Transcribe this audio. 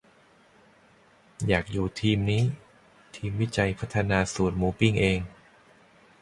อยากอยู่ทีมนี้ ทีมวิจัยพัฒนาสูตรหมูปิ้งเอง